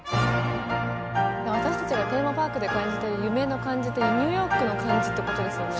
私たちがテーマパークで感じてる夢の感じってニューヨークの感じってことですよね。